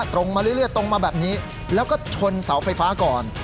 ตรงมาเรื่อยตรงมาแบบนี้แล้วก็ชนเสาไฟฟ้าก่อน